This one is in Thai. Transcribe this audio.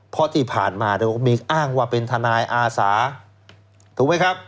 เพราะที่ผ่านมาก็มีอ้างว่าเป็นทนายอาสาถูกไหมครับ